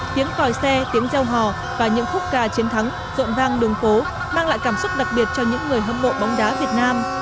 tiếng còi xe tiếng gieo hò và những khúc ca chiến thắng rộn ràng đường phố mang lại cảm xúc đặc biệt cho những người hâm mộ bóng đá việt nam